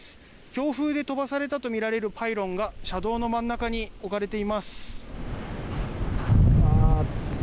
強風で飛ばされたとみられるパイロンが車道の真ん中に置かれています。